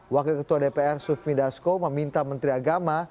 wakil ketua dpr sufmi dasko meminta menteri agama